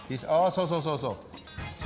そうそうそうそう！